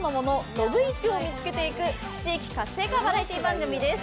どぶイチを見つけていく地域活性化バラエティー番組です。